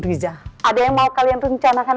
riza ada yang mau kalian rencanakan